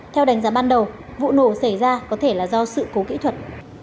theo đánh giá ban đầu vụ nổ xảy ra có thể là do sự cố kỹ thuật